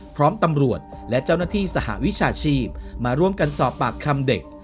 พร้อมตำรวจและเจ้าหน้าที่สหวิชาชีพมาร่วมกันสอบปากคำเด็ก